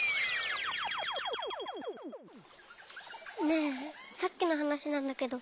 ねえさっきのはなしなんだけど。